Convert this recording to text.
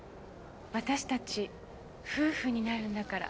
私たち夫婦になるんだから。